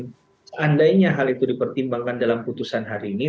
seandainya hal itu dipertimbangkan dalam putusan hari ini